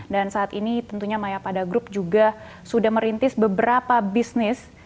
dan saat ini tentunya maya pada group juga sudah merintis beberapa bisnis